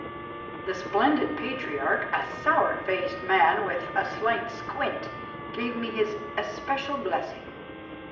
The splendid Patriarch, a sour faced man with a slight squint, gave me his especial blessing.